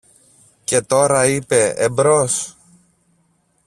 Και τώρα, είπε, εμπρός!